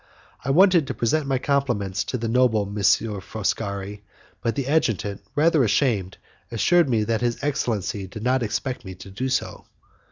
I wanted to present my compliments to the noble M. Foscari, but the adjutant, rather ashamed, assured me that his excellency did not expect me to do so.